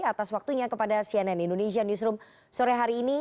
atas waktunya kepada cnn indonesia newsroom sore hari ini